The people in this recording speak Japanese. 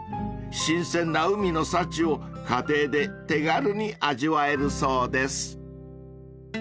［新鮮な海の幸を家庭で手軽に味わえるそうです］